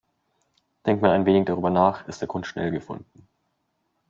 Denkt man ein wenig darüber nach, ist der Grund schnell gefunden.